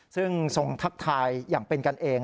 ซึ่งทรงทักทายอย่างเป็นกันเอง